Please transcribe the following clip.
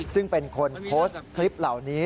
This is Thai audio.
ซึ่งเป็นคนโพสต์คลิปเหล่านี้